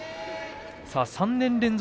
３年連続